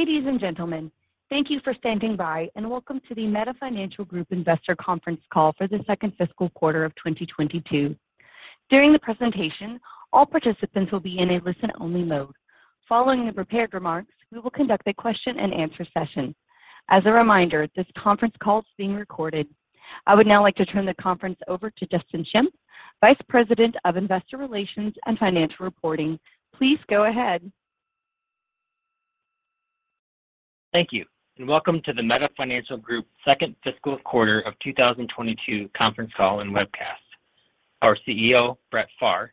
Ladies and gentlemen, thank you for standing by, and welcome to the Meta Financial Group Investor Conference Call for the second fiscal quarter of 2022. During the presentation, all participants will be in a listen-only mode. Following the prepared remarks, we will conduct a question-and-answer session. As a reminder, this conference call is being recorded. I would now like to turn the conference over to Justin Schempp, Vice President of Investor Relations and Financial Reporting. Please go ahead. Thank you. Welcome to the Meta Financial Group second fiscal quarter of 2022 conference call and webcast. Our CEO, Brett Pharr,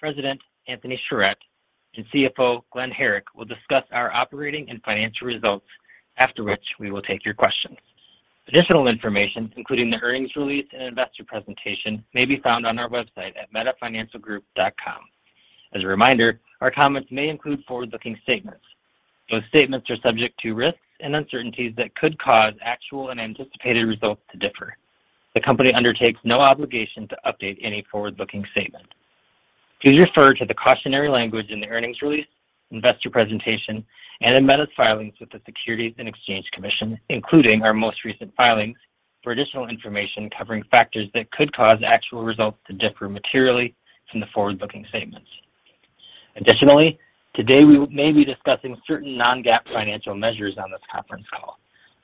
President Anthony Sharett, and CFO Glen Herrick will discuss our operating and financial results. After which, we will take your questions. Additional information, including the earnings release and investor presentation, may be found on our website at metafinancialgroup.com. As a reminder, our comments may include forward-looking statements. Those statements are subject to risks and uncertainties that could cause actual and anticipated results to differ. The company undertakes no obligation to update any forward-looking statement. Please refer to the cautionary language in the earnings release, investor presentation, and in Meta's filings with the Securities and Exchange Commission, including our most recent filings for additional information covering factors that could cause actual results to differ materially from the forward-looking statements. Additionally, today we may be discussing certain non-GAAP financial measures on this conference call.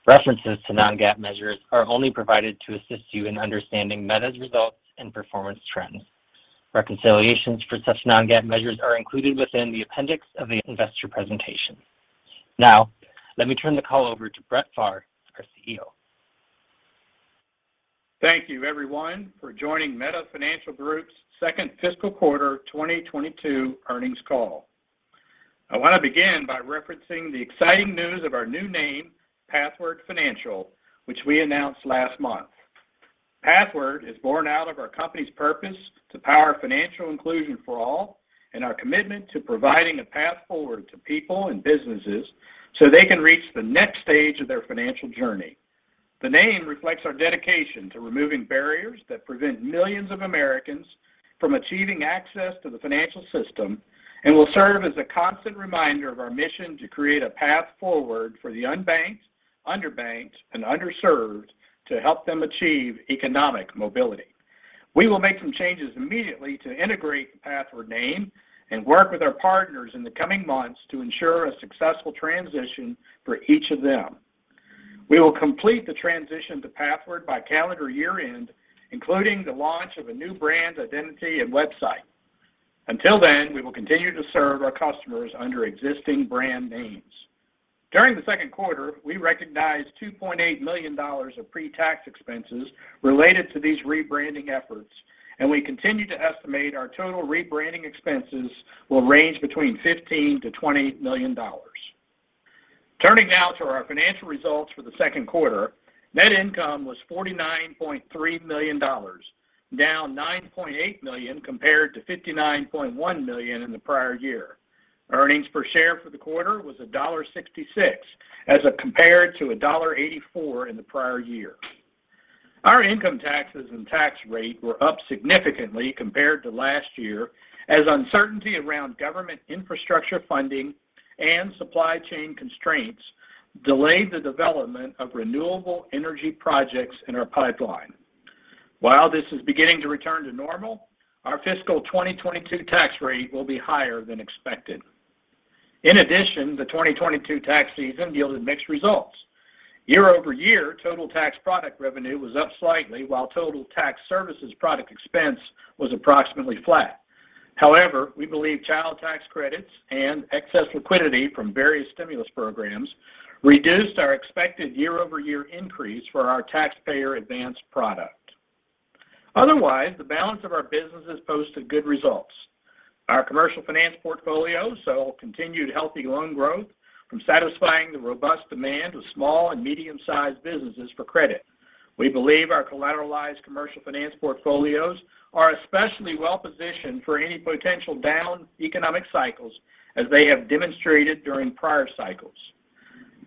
References to non-GAAP measures are only provided to assist you in understanding Meta's results and performance trends. Reconciliations for such non-GAAP measures are included within the appendix of the investor presentation. Now, let me turn the call over to Brett Pharr, our CEO. Thank you, everyone, for joining Meta Financial Group's second fiscal quarter 2022 earnings call. I want to begin by referencing the exciting news of our new name, Pathward Financial, which we announced last month. Pathward is born out of our company's purpose to power financial inclusion for all and our commitment to providing a path forward to people and businesses so they can reach the next stage of their financial journey. The name reflects our dedication to removing barriers that prevent millions of Americans from achieving access to the financial system and will serve as a constant reminder of our mission to create a path forward for the unbanked, underbanked, and underserved to help them achieve economic mobility. We will make some changes immediately to integrate the Pathward name and work with our partners in the coming months to ensure a successful transition for each of them. We will complete the transition to Pathward by calendar year-end, including the launch of a new brand identity and website. Until then, we will continue to serve our customers under existing brand names. During the Q2, we recognized $2.8 million of pre-tax expenses related to these rebranding efforts, and we continue to estimate our total rebranding expenses will range between $15-$20 million. Turning now to our financial results for the Q2. Net income was $49.3 million, down $9.8 million compared to $59.1 million in the prior year. Earnings per share for the quarter was $1.66, as compared to $1.84 in the prior year. Our income taxes and tax rate were up significantly compared to last year, as uncertainty around government infrastructure funding and supply chain constraints delayed the development of renewable energy projects in our pipeline. While this is beginning to return to normal, our fiscal 2022 tax rate will be higher than expected. In addition, the 2022 tax season yielded mixed results. Year-over-year, total tax product revenue was up slightly, while total tax services product expense was approximately flat. However, we believe child tax credits and excess liquidity from various stimulus programs reduced our expected year-over-year increase for our Taxpayer Advance product. Otherwise, the balance of our businesses posted good results. Our Commercial Finance portfolios saw continued healthy loan growth from satisfying the robust demand of small and medium-sized businesses for credit. We believe our collateralized Commercial Finance portfolios are especially well-positioned for any potential down economic cycles as they have demonstrated during prior cycles.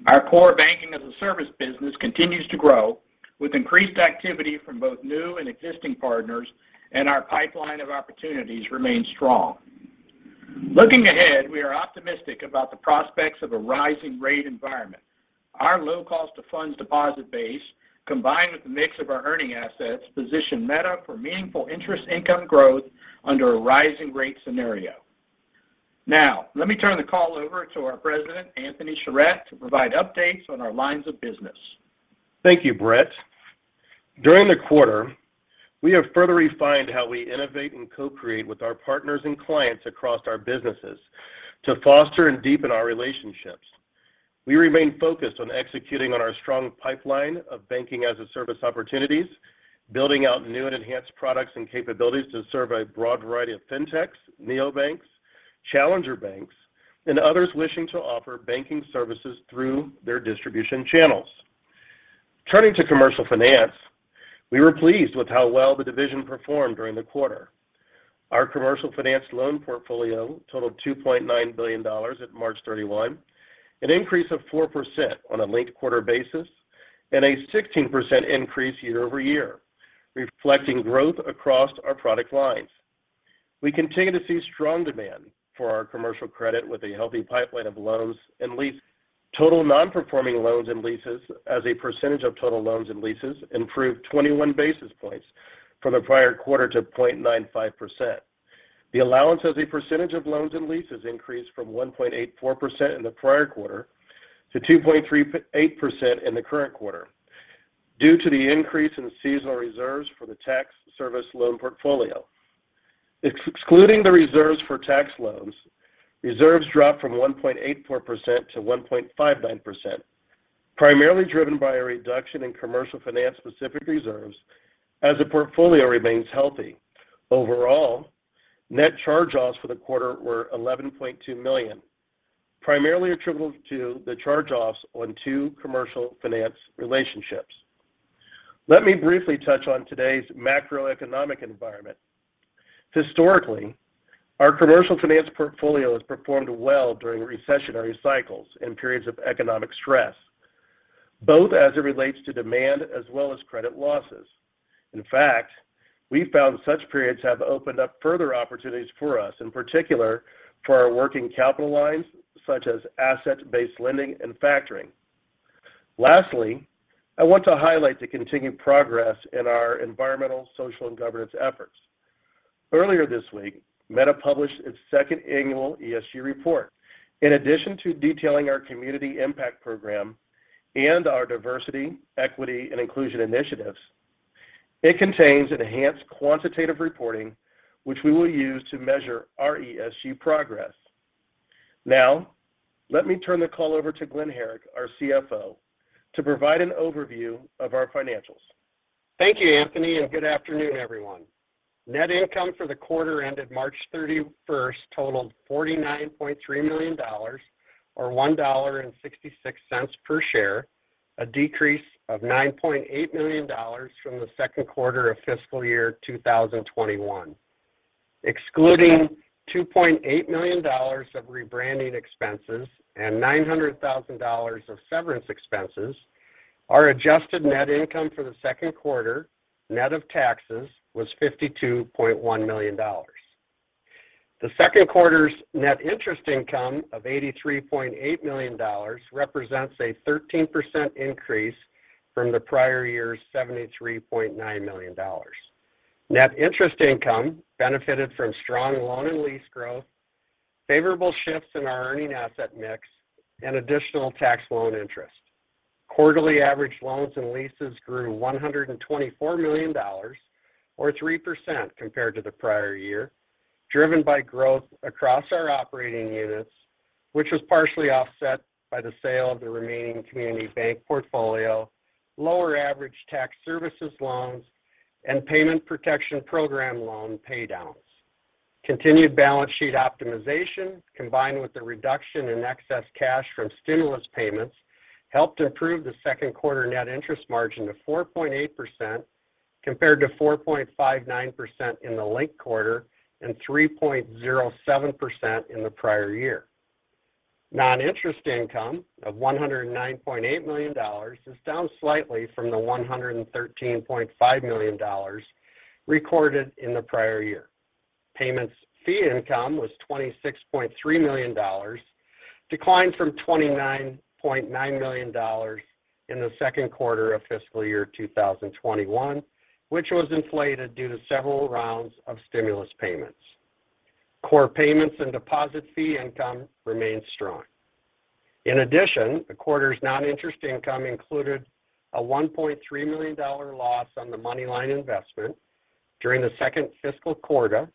Our core banking-as-a-service business continues to grow with increased activity from both new and existing partners, and our pipeline of opportunities remains strong. Looking ahead, we are optimistic about the prospects of a rising rate environment. Our low cost of funds deposit base, combined with the mix of our earning assets, position Meta for meaningful interest income growth under a rising rate scenario. Now, let me turn the call over to our president, Anthony Sharett, to provide updates on our lines of business. Thank you, Brett. During the quarter, we have further refined how we innovate and co-create with our partners and clients across our businesses to foster and deepen our relationships. We remain focused on executing on our strong pipeline of banking-as-a-service opportunities, building out new and enhanced products and capabilities to serve a broad variety of fintechs, neobanks, challenger banks, and others wishing to offer banking services through their distribution channels. Turning to Commercial Finance, we were pleased with how well the division performed during the quarter. Our Commercial Finance loan portfolio totaled $2.9 billion at March 31, an increase of 4% on a linked-quarter basis, and a 16% increase year-over-year, reflecting growth across our product lines. We continue to see strong demand for our commercial credit with a healthy pipeline of loans and leases. Total non-performing loans and leases as a percentage of total loans and leases improved 21 basis points from the prior quarter to 0.95%. The allowance as a percentage of loans and leases increased from 1.84% in the prior quarter to 2.38% in the current quarter due to the increase in seasonal reserves for the tax service loan portfolio. Excluding the reserves for tax loans, reserves dropped from 1.84% to 1.59%, primarily driven by a reduction in Commercial Finance-specific reserves as the portfolio remains healthy. Overall, net charge-offs for the quarter were $11.2 million, primarily attributable to the charge-offs on two Commercial Finance relationships. Let me briefly touch on today's macroeconomic environment. Historically, our Commercial Finance portfolio has performed well during recessionary cycles and periods of economic stress, both as it relates to demand as well as credit losses. In fact, we found such periods have opened up further opportunities for us, in particular for our working capital lines such as asset-based lending and factoring. Lastly, I want to highlight the continued progress in our environmental, social, and governance efforts. Earlier this week, Meta published its second annual ESG report. In addition to detailing our community impact program and our diversity, equity, and inclusion initiatives, it contains enhanced quantitative reporting, which we will use to measure our ESG progress. Now, let me turn the call over to Glen Herrick, our CFO, to provide an overview of our financials. Thank you, Anthony, and good afternoon, everyone. Net income for the quarter ended March 31 totaled $49.3 million, or $1.66 per share, a decrease of $9.8 million from the Q2 of fiscal year 2021. Excluding $2.8 million of rebranding expenses and $900,000 of severance expenses, our adjusted net income for the Q2, net of taxes, was $52.1 million. The Q2 net interest income of $83.8 million represents a 13% increase from the prior year's $73.9 million. Net interest income benefited from strong loan and lease growth, favorable shifts in our earning asset mix, and additional tax loan interest. Quarterly average loans and leases grew $124 million, or 3% compared to the prior year, driven by growth across our operating units, which was partially offset by the sale of the remaining community bank portfolio, lower average tax services loans, and Paycheck Protection Program loan paydowns. Continued balance sheet optimization, combined with the reduction in excess cash from stimulus payments, helped improve the Q2 net interest margin to 4.8% compared to 4.59% in the linked quarter and 3.07% in the prior year. Non-interest income of $109.8 million is down slightly from the $113.5 million recorded in the prior year. Payments fee income was $26.3 million, declined from $29.9 million in the Q2 of fiscal year 2021, which was inflated due to several rounds of stimulus payments. Core payments and deposit fee income remained strong. In addition, the quarter's non-interest income included a $1.3 million loss on the MoneyLion investment. During the second fiscal quarter,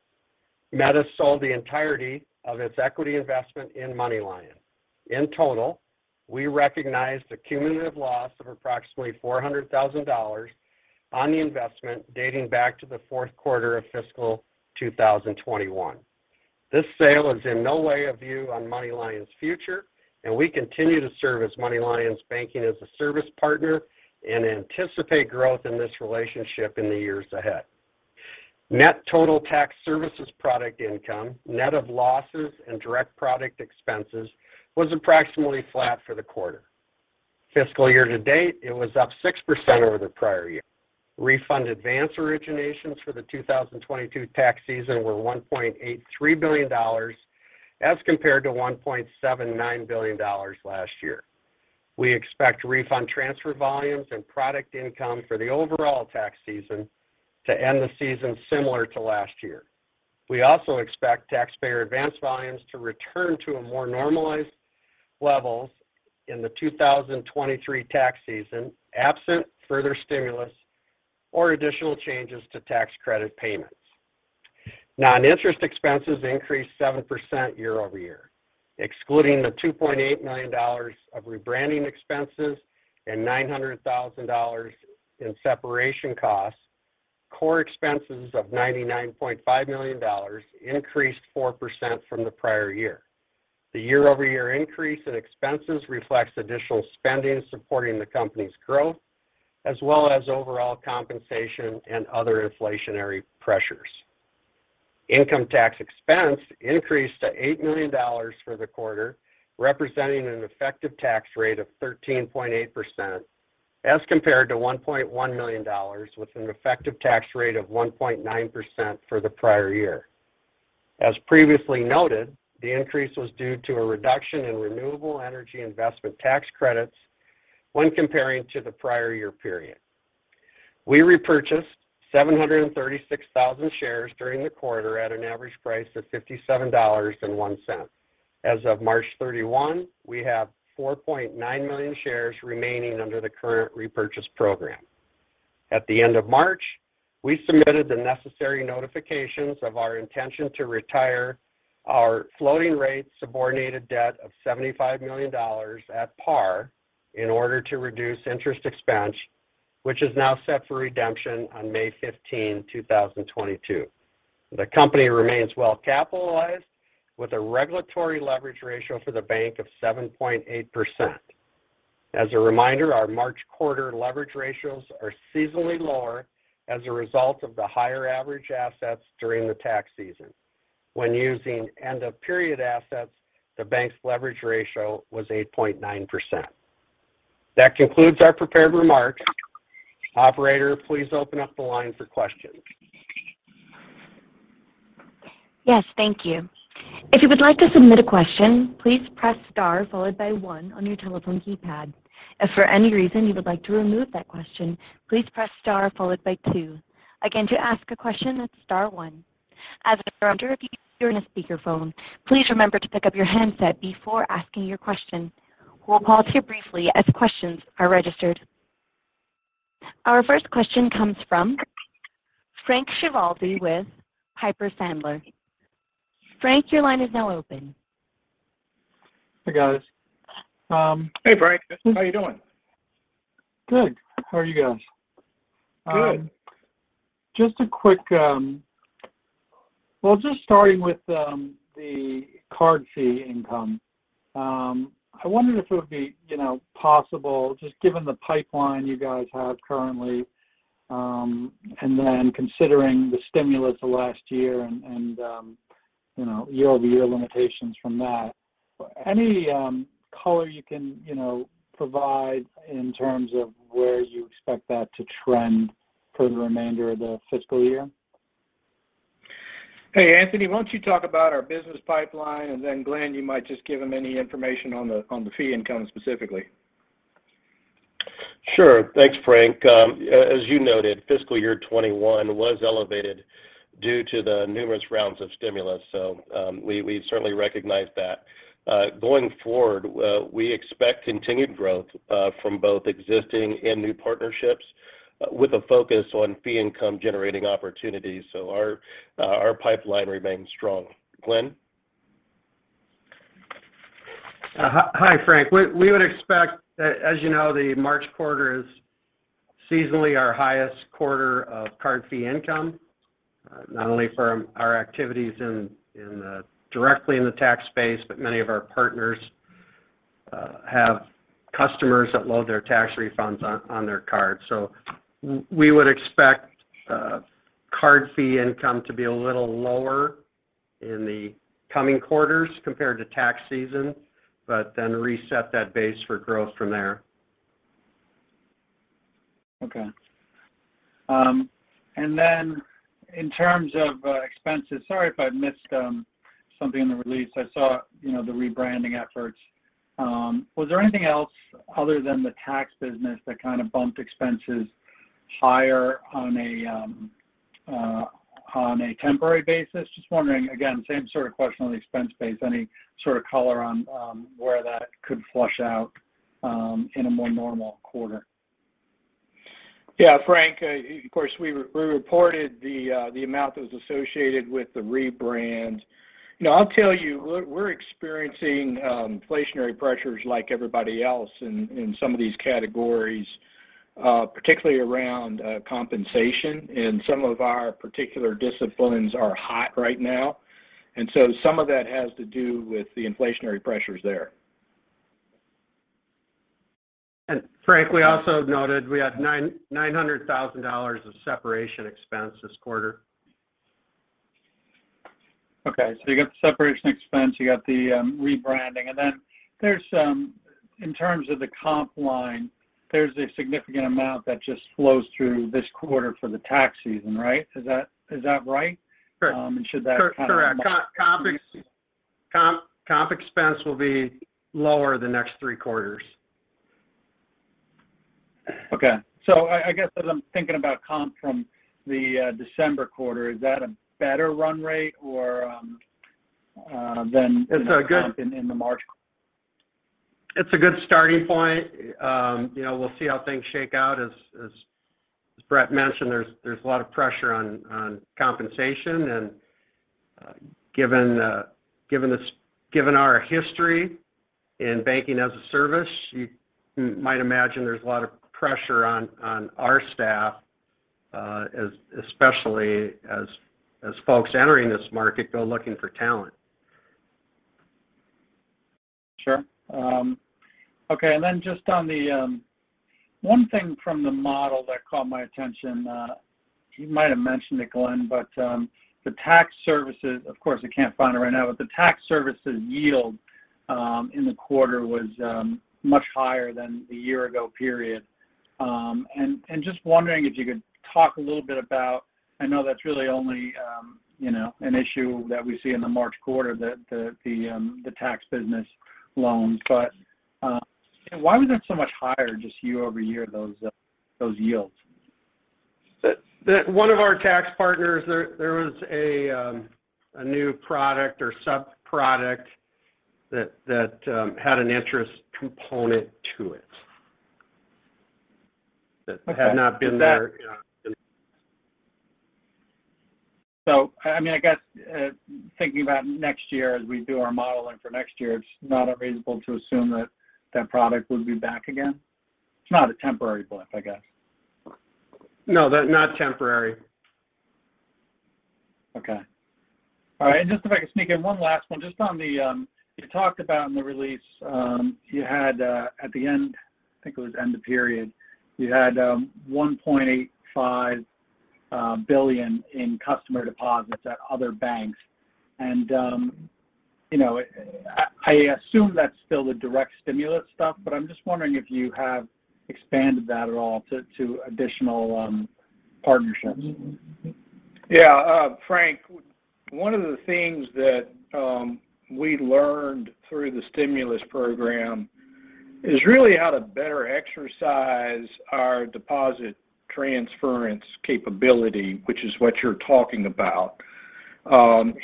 Meta sold the entirety of its equity investment in MoneyLion. In total, we recognized a cumulative loss of approximately $400,000 on the investment dating back to the Q4 of fiscal 2021. This sale is in no way a view on MoneyLion's future, and we continue to serve as MoneyLion's banking-as-a-service partner and anticipate growth in this relationship in the years ahead. Net total tax services product income, net of losses and direct product expenses, was approximately flat for the quarter. Fiscal year to date, it was up 6% over the prior year. Refund Advance originations for the 2022 tax season were $1.83 billion as compared to $1.79 billion last year. We expect Refund Transfer volumes and product income for the overall tax season to end the season similar to last year. We also expect Taxpayer Advance volumes to return to a more normalized levels in the 2023 tax season, absent further stimulus or additional changes to tax credit payments. Non-interest expenses increased 7% year-over-year. Excluding the $2.8 million of rebranding expenses and $900,000 in separation costs, core expenses of $99.5 million increased 4% from the prior year. The year-over-year increase in expenses reflects additional spending supporting the company's growth, as well as overall compensation and other inflationary pressures. Income tax expense increased to $8 million for the quarter, representing an effective tax rate of 13.8%. As compared to $1.1 million with an effective tax rate of 1.9% for the prior year. As previously noted, the increase was due to a reduction in renewable energy investment tax credits when comparing to the prior year period. We repurchased 736,000 shares during the quarter at an average price of $57.01. As of March 31, we have 4.9 million shares remaining under the current repurchase program. At the end of March, we submitted the necessary notifications of our intention to retire our floating rate subordinated debt of $75 million at par in order to reduce interest expense, which is now set for redemption on May 15, 2022. The company remains well capitalized with a regulatory leverage ratio for the bank of 7.8%. As a reminder, our March quarter leverage ratios are seasonally lower as a result of the higher average assets during the tax season. When using end of period assets, the bank's leverage ratio was 8.9%. That concludes our prepared remarks. Operator, please open up the line for questions. Yes, thank you. If you would like to submit a question, please press star followed by one on your telephone keypad. If for any reason you would like to remove that question, please press star followed by two. Again, to ask a question, that's star one. As a reminder, if you are on a speakerphone, please remember to pick up your handset before asking your question. We'll pause here briefly as questions are registered. Our first question comes from Frank Schiraldi with Piper Sandler. Frank, your line is now open. Hey, guys. Hey, Frank. How are you doing? Good. How are you guys? Good. Well, just starting with the card fee income, I wondered if it would be, you know, possible, just given the pipeline you guys have currently, and then considering the stimulus of last year and, you know, year-over-year limitations from that. Any color you can, you know, provide in terms of where you expect that to trend for the remainder of the fiscal year? Hey, Anthony, why don't you talk about our business pipeline, and then Glenn, you might just give him any information on the fee income specifically. Sure. Thanks, Frank. As you noted, fiscal year 2021 was elevated due to the numerous rounds of stimulus. We certainly recognize that. Going forward, we expect continued growth from both existing and new partnerships with a focus on fee income generating opportunities. Our pipeline remains strong. Glenn? Hi, Frank. We would expect, as you know, the March quarter is seasonally our highest quarter of card fee income, not only from our activities directly in the tax space, but many of our partners have customers that load their tax refunds on their cards. We would expect card fee income to be a little lower in the coming quarters compared to tax season, but then reset that base for growth from there. Okay. Then in terms of expenses. Sorry if I missed something in the release. I saw, you know, the rebranding efforts. Was there anything else other than the tax business that kind of bumped expenses higher on a temporary basis? Just wondering, again, same sort of question on the expense base. Any sort of color on where that could flesh out in a more normal quarter? Yeah, Frank, of course, we reported the amount that was associated with the rebrand. You know, I'll tell you, we're experiencing inflationary pressures like everybody else in some of these categories, particularly around compensation. Some of our particular disciplines are hot right now. Some of that has to do with the inflationary pressures there. Frank, we also noted we had $900,000 of separation expense this quarter. Okay. You got the separation expense, you got the rebranding, and then there's, in terms of the comp line, a significant amount that just flows through this quarter for the tax season, right? Is that right? Correct. Should that kind of? Correct. Comp expense will be lower the next three quarters. Okay. I guess as I'm thinking about comp from the December quarter, is that a better run rate or than- It's a good- in the March? It's a good starting point. You know, we'll see how things shake out. As Brett mentioned, there's a lot of pressure on compensation. Given our history in banking-as-a-service, you might imagine there's a lot of pressure on our staff, especially as folks entering this market go looking for talent. Sure. Okay. One thing from the model that caught my attention. You might have mentioned it, Glen, but the tax services, of course, I can't find it right now, but the tax services yield in the quarter was much higher than the year ago period. Just wondering if you could talk a little bit about. I know that's really only, you know, an issue that we see in the March quarter, the tax business loans. Why was that so much higher just year-over-year, those yields? One of our tax partners, there was a new product or sub-product that had an interest component to it that had not been there. I mean, I guess, thinking about next year as we do our modeling for next year, it's not unreasonable to assume that that product would be back again. It's not a temporary blip, I guess. No, that's not temporary. Okay. All right. Just if I could sneak in one last one, just on the you talked about in the release, you had at the end, I think it was end of period, you had $1.85 billion in customer deposits at other banks. You know, I assume that's still the direct stimulus stuff, but I'm just wondering if you have expanded that at all to additional partnerships? Yeah. Frank, one of the things that we learned through the stimulus program is really how to better exercise our deposit transference capability, which is what you're talking about.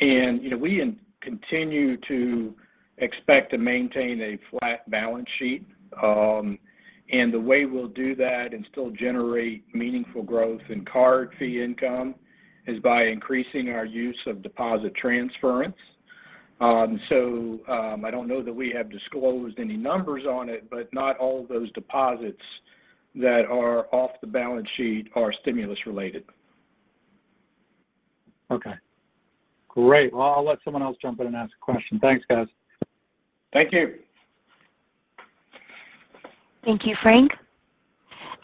You know, we continue to expect to maintain a flat balance sheet. The way we'll do that and still generate meaningful growth in card fee income is by increasing our use of deposit transference. I don't know that we have disclosed any numbers on it, but not all of those deposits that are off the balance sheet are stimulus related. Okay. Great. Well, I'll let someone else jump in and ask a question. Thanks, guys. Thank you. Thank you, Frank.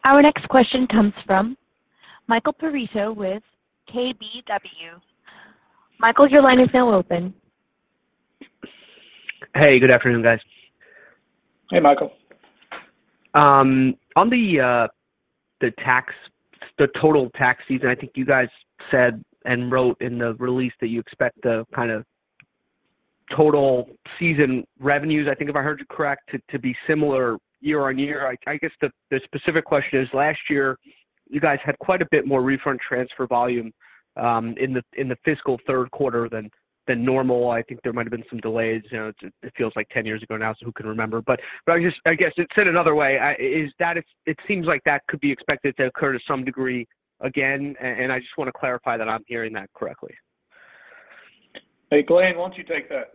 Our next question comes from Michael Perito with KBW. Michael, your line is now open. Hey. Good afternoon, guys. Hey, Michael. On the total tax season, I think you guys said and wrote in the release that you expect the kind of total season revenues, I think if I heard you correct, to be similar year-over-year. I guess the specific question is, last year, you guys had quite a bit more Refund Transfer volume in the fiscal Q3 than normal. I think there might have been some delays. You know, it feels like 10 years ago now, so who can remember? I just guess said another way is that it seems like that could be expected to occur to some degree again. And I just want to clarify that I'm hearing that correctly. Hey, Glen, why don't you take that?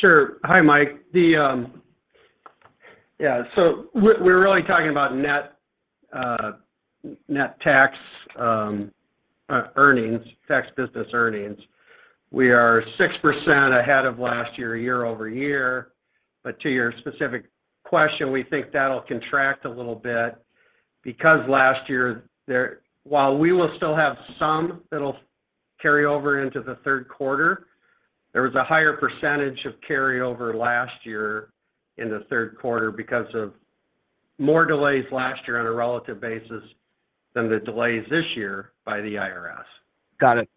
Sure. Hi, Mike. Yeah, so we're really talking about net tax business earnings. We are 6% ahead of last year-over-year. To your specific question, we think that'll contract a little bit because last year, while we will still have some that'll carry over into the Q3, there was a higher percentage of carry over last year in the Q3 because of more delays last year on a relative basis than the delays this year by the IRS. Got it.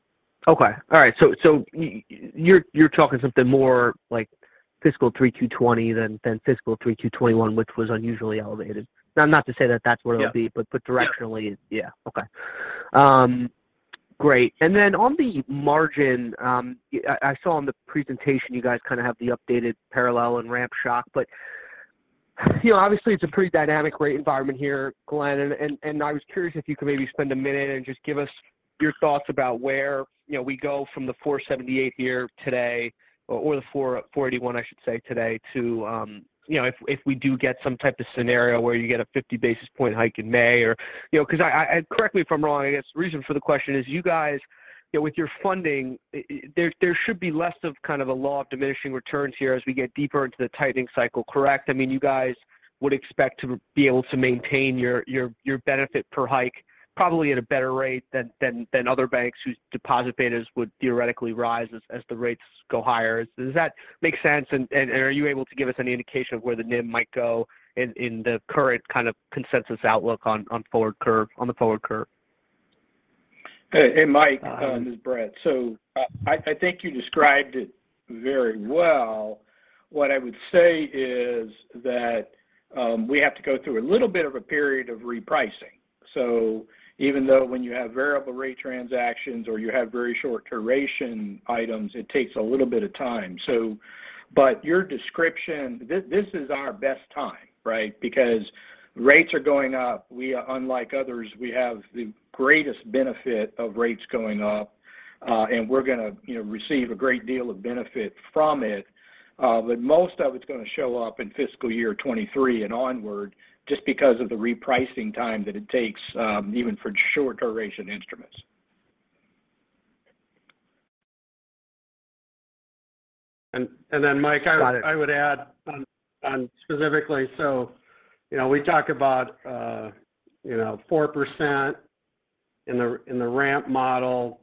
Okay. All right. You're talking something more like fiscal 2020 than fiscal 2021, which was unusually elevated. Not to say that that's what it'll be. Yeah. directionally. Yeah. Yeah. Okay. Great. Then on the margin, I saw in the presentation you guys kind of have the updated parallel and ramp shock. You know, obviously it's a pretty dynamic rate environment here, Glenn. I was curious if you could maybe spend a minute and just give us your thoughts about where, you know, we go from the 4.78% here today, or the 4.41%, I should say, today to, you know, if we do get some type of scenario where you get a 50 basis point hike in May. You know, 'cause I and correct me if I'm wrong, I guess the reason for the question is you guys, you know, with your funding, there should be less of kind of a law of diminishing returns here as we get deeper into the tightening cycle, correct? I mean, you guys would expect to be able to maintain your benefit per hike probably at a better rate than other banks whose deposit betas would theoretically rise as the rates go higher. Does that make sense? Are you able to give us any indication of where the NIM might go in the current kind of consensus outlook on the forward curve? Hey, hey, Mike. Hi. This is Brett. I think you described it very well. What I would say is that we have to go through a little bit of a period of repricing. Even though when you have variable rate transactions or you have very short duration items, it takes a little bit of time. Your description, this is our best time, right? Because rates are going up. We are unlike others, we have the greatest benefit of rates going up, and we're gonna, you know, receive a great deal of benefit from it. Most of it's gonna show up in fiscal year 2023 and onward just because of the repricing time that it takes, even for short duration. Mike, I would- Got it. I would add on specifically. You know, we talk about 4% in the ramp model.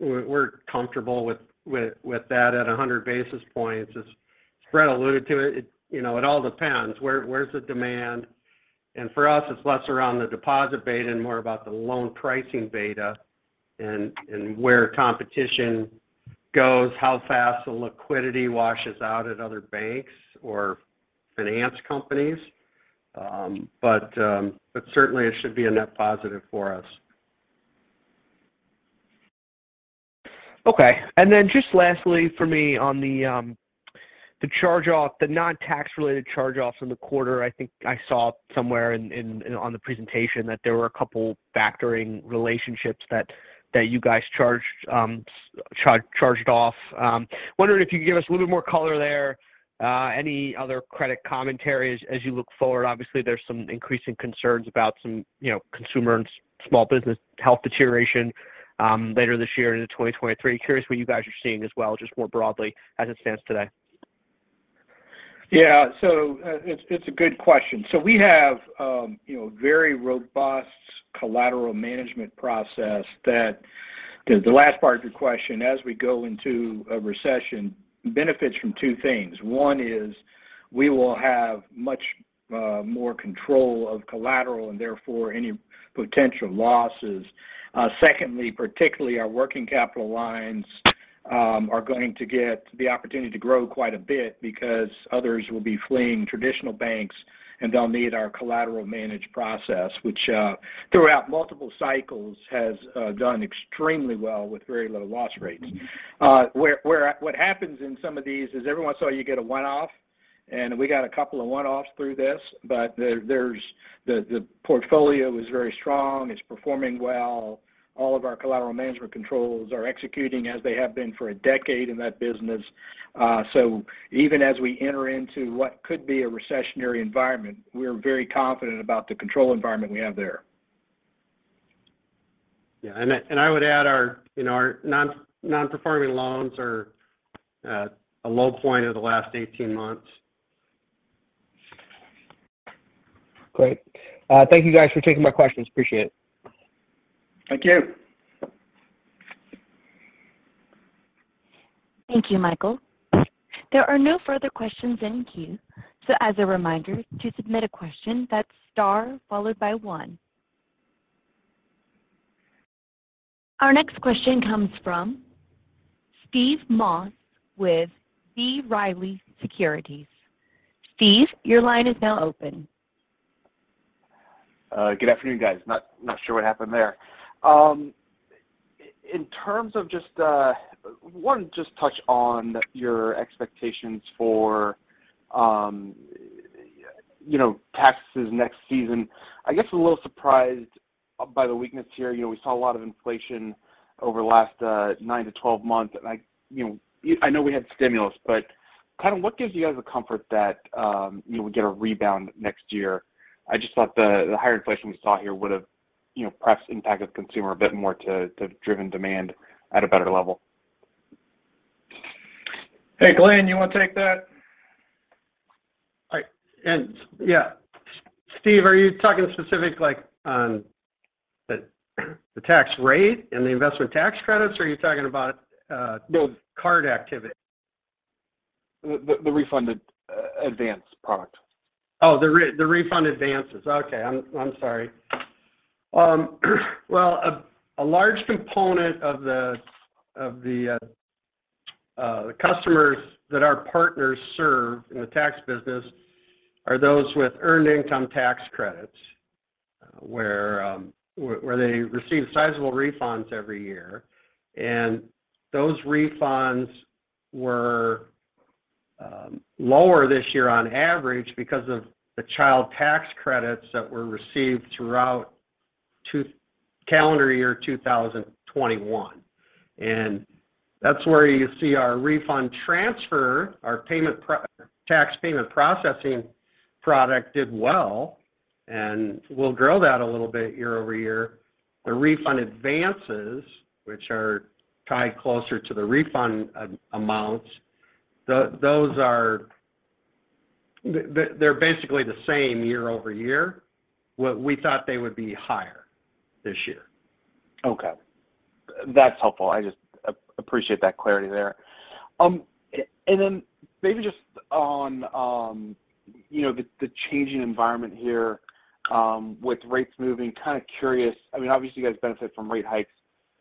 We're comfortable with that at 100 basis points. As Brett alluded to it, you know, it all depends. Where's the demand? For us, it's less around the deposit beta and more about the loan pricing beta and where competition goes, how fast the liquidity washes out at other banks or finance companies. But certainly it should be a net positive for us. Okay. Then just lastly for me on the charge-off, the non-tax related charge-offs in the quarter. I think I saw somewhere on the presentation that there were a couple factoring relationships that you guys charged off. Wondering if you could give us a little bit more color there. Any other credit commentaries as you look forward? Obviously, there's some increasing concerns about some, you know, consumer and small business health deterioration, later this year into 2023. Curious what you guys are seeing as well, just more broadly as it stands today. It's a good question. We have, you know, very robust collateral management process that the last part of your question, as we go into a recession, benefits from two things. One is we will have much more control of collateral and therefore any potential losses. Secondly, particularly our working capital lines are going to get the opportunity to grow quite a bit because others will be fleeing traditional banks, and they'll need our collateral managed process, which throughout multiple cycles has done extremely well with very little loss rates. What happens in some of these is every once in a while you get a one-off, and we got a couple of one-offs through this. The portfolio is very strong. It's performing well. All of our collateral management controls are executing as they have been for a decade in that business. Even as we enter into what could be a recessionary environment, we're very confident about the control environment we have there. Yeah. I would add our, you know, our non-performing loans are at a low point over the last 18 months. Great. Thank you guys for taking my questions. Appreciate it. Thank you. Thank you, Michael. There are no further questions in queue. As a reminder, to submit a question, that's star followed by one. Our next question comes from Steve Moss with B. Riley Securities. Steve, your line is now open. Good afternoon, guys. Not sure what happened there. In terms of just want to just touch on your expectations for, you know, taxes next season. I guess a little surprised by the weakness here. You know, we saw a lot of inflation over the last 9-12 months. I know we had stimulus, but kind of what gives you guys the comfort that, you know, we get a rebound next year? I just thought the higher inflation we saw here would've, you know, perhaps impacted the consumer a bit more to drive demand at a better level. Hey, Glen, you wanna take that? Yeah. Steve, are you talking specifically like on the tax rate and the investment tax credits, or are you talking about? No card activity? The Refund Advance product. The refund advances. Okay. I'm sorry. A large component of the customers that our partners serve in the tax business are those with earned income tax credits, where they receive sizable refunds every year. Those refunds were lower this year on average because of the child tax credits that were received throughout calendar year 2021. That's where you see our refund transfer, our tax payment processing product did well, and we'll grow that a little bit year-over-year. The refund advances, which are tied closer to the refund amounts, those are basically the same year-over-year. We thought they would be higher this year. Okay. That's helpful. I just appreciate that clarity there. And then maybe just on, you know, the changing environment here, with rates moving, kind of curious. I mean, obviously you guys benefit from rate hikes.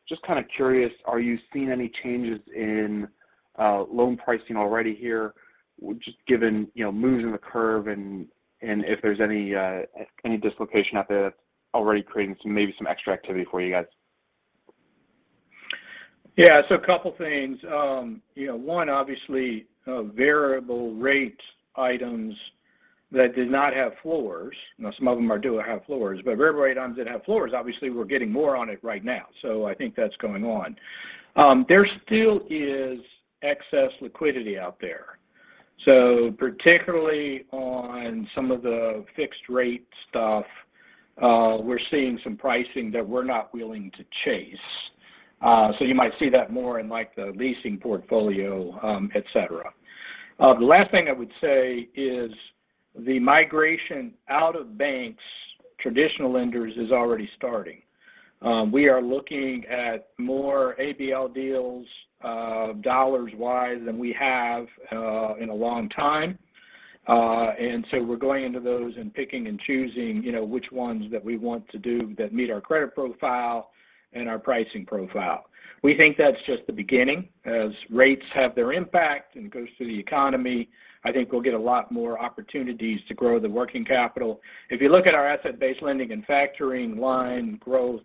Just kind of curious, are you seeing any changes in loan pricing already here just given, you know, moves in the curve and if there's any dislocation out there that's already creating some, maybe some extra activity for you guys? Yeah. A couple things. You know, one, obviously, variable rate items that did not have floors. You know, some of them do have floors. Variable rate items that have floors, obviously we're getting more on it right now. I think that's going on. There still is excess liquidity out there. Particularly on some of the fixed rate stuff, we're seeing some pricing that we're not willing to chase. You might see that more in like the leasing portfolio, et cetera. The last thing I would say is the migration out of banks, traditional lenders, is already starting. We are looking at more ABL deals, dollars-wise than we have in a long time. We're going into those and picking and choosing, you know, which ones that we want to do that meet our credit profile and our pricing profile. We think that's just the beginning. As rates have their impact and goes through the economy, I think we'll get a lot more opportunities to grow the working capital. If you look at our asset-based lending and factoring line growth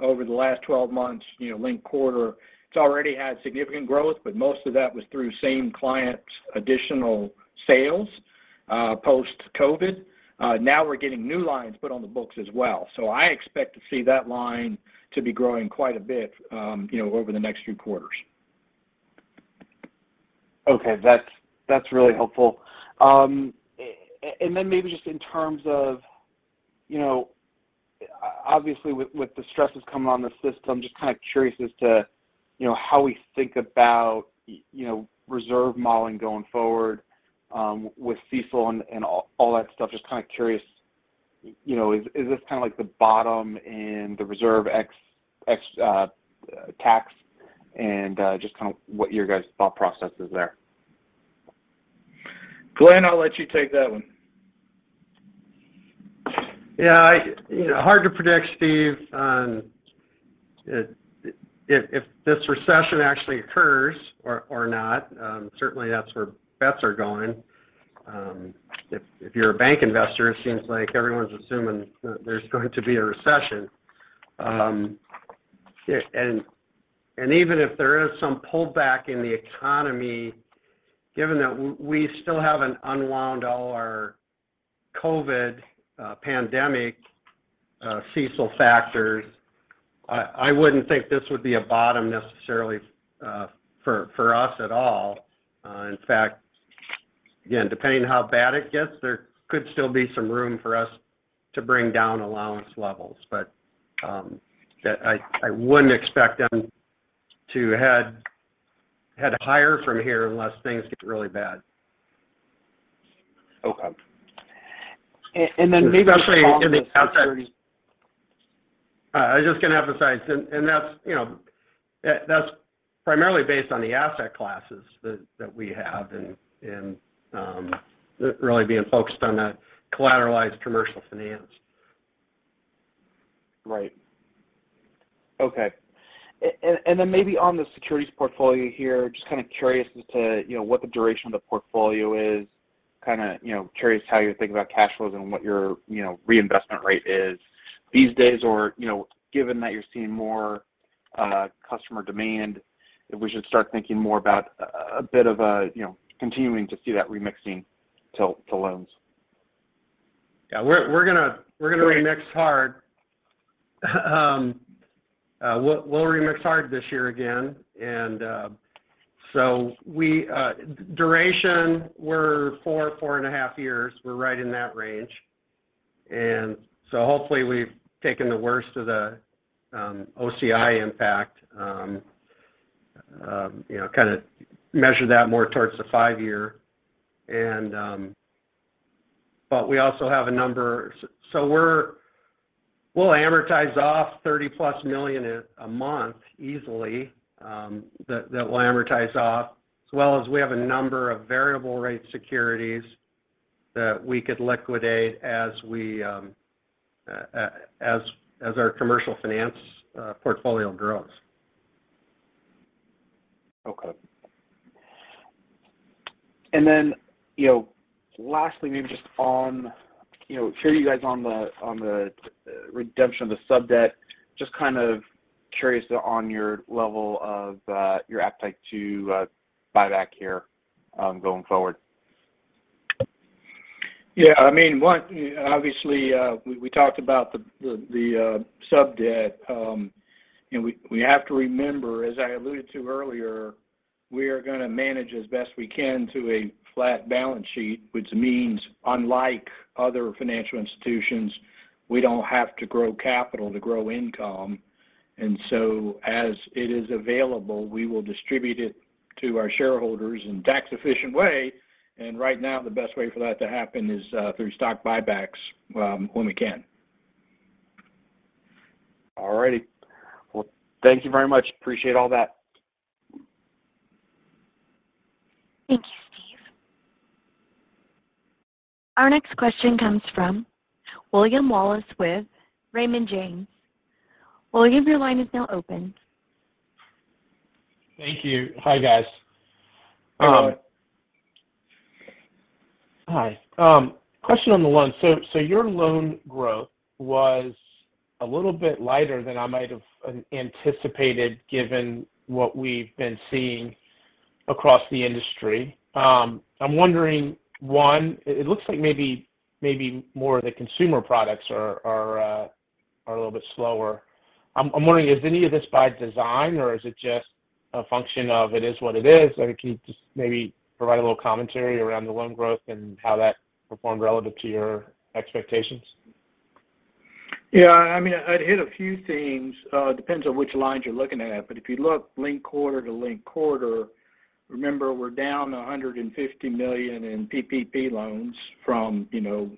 over the last 12 months, you know, linked quarter, it's already had significant growth, but most of that was through same client additional sales, post-COVID. Now we're getting new lines put on the books as well. I expect to see that line to be growing quite a bit, you know, over the next few quarters. Okay. That's really helpful. And then maybe just in terms of, you know, obviously with the stresses coming on the system, just kind of curious as to, you know, how we think about, you know, reserve modeling going forward, with CECL and all that stuff. Just kind of curious, you know, is this kind of like the bottom in the reserve ex tax and just kind of what your guys' thought process is there? Glenn, I'll let you take that one. Yeah. You know, hard to predict, Steve, on if this recession actually occurs or not. Certainly that's where bets are going. If you're a bank investor, it seems like everyone's assuming that there's going to be a recession. Yeah, and even if there is some pullback in the economy, given that we still haven't unwound all our COVID pandemic CECL factors, I wouldn't think this would be a bottom necessarily for us at all. In fact, again, depending on how bad it gets, there could still be some room for us to bring down allowance levels. Yeah, I wouldn't expect them to head higher from here unless things get really bad. Okay. maybe just on the security. Especially in the asset I was just going to emphasize, and that's, you know, that's primarily based on the asset classes that we have and really being focused on the collateralized Commercial Finance. Right. Okay. Maybe on the securities portfolio here, just kind of curious as to, you know, what the duration of the portfolio is. Kind of, you know, curious how you're thinking about cash flows and what your, you know, reinvestment rate is these days, or, you know, given that you're seeing more customer demand, if we should start thinking more about a bit of a, you know, continuing to see that remixing to loans. Yeah. We're gonna reprice hard. We'll reprice hard this year again. Duration, we're 4-4.5 years. We're right in that range. Hopefully we've taken the worst of the OCI impact, you know, kind of measure that more towards the five-year. We also have a number. We'll amortize off $30+ million a month easily, that will amortize off. As well as we have a number of variable rate securities that we could liquidate as our Commercial Finance portfolio grows. Okay. You know, lastly maybe just on, you know, I hear you guys on the redemption of the sub debt, just kind of curious on your level of appetite to buy back here going forward? Yeah. I mean, one, obviously, we talked about the sub debt. You know, we have to remember, as I alluded to earlier, we are gonna manage as best we can to a flat balance sheet, which means unlike other financial institutions, we don't have to grow capital to grow income. As it is available, we will distribute it to our shareholders in a tax-efficient way, and right now the best way for that to happen is through stock buybacks, when we can. All righty. Well, thank you very much. Appreciate all that. Thank you, Steve. Our next question comes from William Wallace with Raymond James. William, your line is now open. Thank you. Hi, guys. Hi, William. Hi. Question on the loans. Your loan growth was a little bit lighter than I might have anticipated given what we've been seeing across the industry. I'm wondering, one, it looks like maybe more of the consumer products are a little bit slower. I'm wondering, is any of this by design or is it just a function of it is what it is? Or can you just maybe provide a little commentary around the loan growth and how that performed relative to your expectations? Yeah, I mean, I'd hit a few themes. Depends on which lines you're looking at, but if you look linked quarter to linked quarter, remember we're down $150 million in PPP loans from, you know,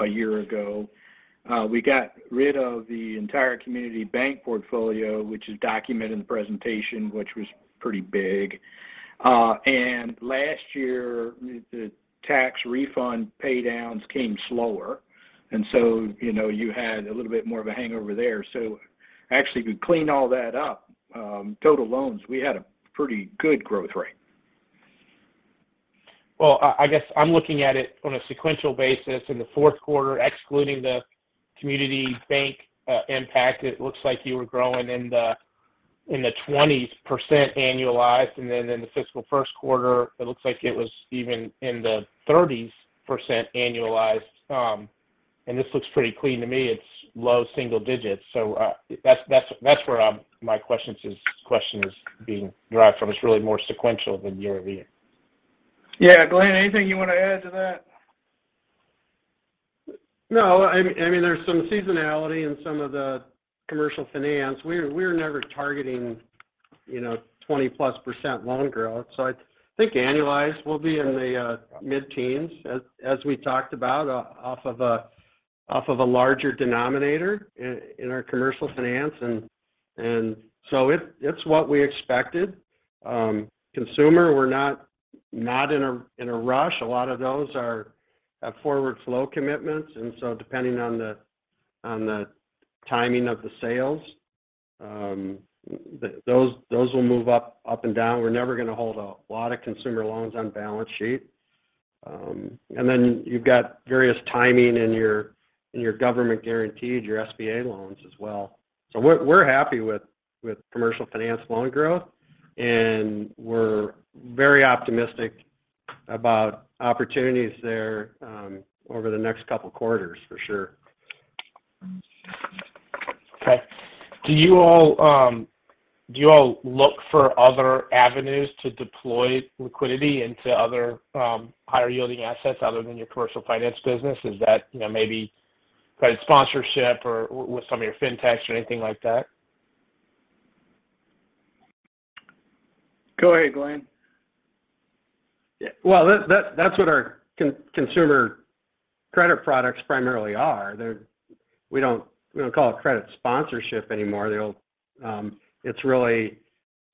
a year ago. We got rid of the entire community bank portfolio, which is documented in the presentation, which was pretty big. Last year, the tax refund pay downs came slower, and so, you know, you had a little bit more of a hangover there. Actually, if you clean all that up, total loans, we had a pretty good growth rate. Well, I guess I'm looking at it on a sequential basis. In the Q4, excluding the community bank impact, it looks like you were growing in the 20s% annualized, and then in the fiscal Q1 it looks like it was even in the 30s% annualized. This looks pretty clean to me. It's low single digits. That's where my question is being derived from. It's really more sequential than year over year. Yeah. Glen, anything you want to add to that? No. I mean there's some seasonality in some of the Commercial Finance. We're never targeting, you know, 20%+ loan growth. So I think annualized we'll be in the mid-teens as we talked about off of a larger denominator in our Commercial Finance. So it's what we expected. Consumer, we're not in a rush. A lot of those are forward flow commitments, and so depending on the timing of the sales, those will move up and down. We're never gonna hold a lot of consumer loans on balance sheet. Then you've got various timing in your government guaranteed, your SBA loans as well. We're happy with Commercial Finance loan growth, and we're very optimistic about opportunities there over the next couple quarters for sure. Okay. Do you all look for other avenues to deploy liquidity into other, higher yielding assets other than your Commercial Finance business? Is that, you know, maybe credit sponsorship or with some of your fintechs or anything like that? Go ahead, Glen. Yeah. Well, that's what our consumer credit products primarily are. They're. We don't call it credit sponsorship anymore. They all. It's really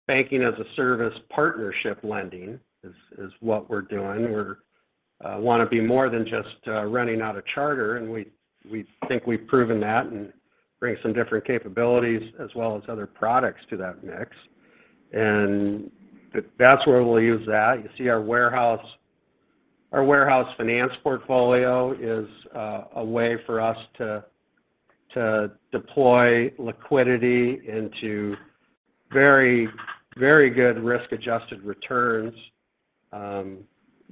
banking as a service partnership lending is what we're doing. We want to be more than just renting out a charter and we think we've proven that and bring some different capabilities as well as other products to that mix and that's where we'll use that. You see our warehouse finance portfolio is a way for us to deploy liquidity into very, very good risk adjusted returns than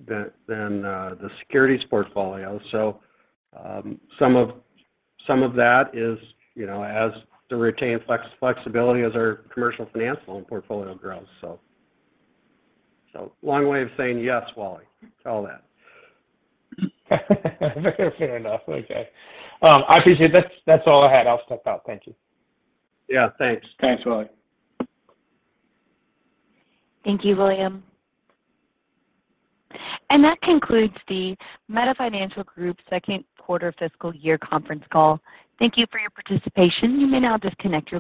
the securities portfolio. So, some of that is, you know, to retain flexibility as our commercial finance loan portfolio grows. So long way of saying yes, William, to all that. Fair enough. Okay. I appreciate it. That's all I had. I'll step out. Thank you. Yeah, thanks. Thanks, Wally. Thank you, William. That concludes the Meta Financial Group Q2 fiscal year conference call. Thank you for your participation. You may now disconnect your lines.